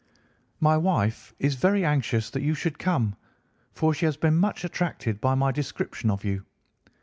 My wife is very anxious that you should come, for she has been much attracted by my description of you.